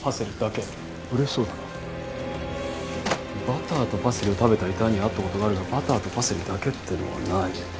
バターとパセリを食べた遺体には会ったことがあるがバターとパセリだけっていうのはない。